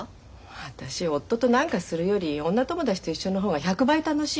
私夫と何かするより女友達と一緒の方が１００倍楽しい。